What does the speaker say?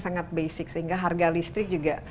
sangat basic sehingga harga listrik juga